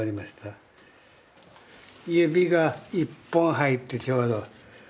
指が１本入ってちょうど。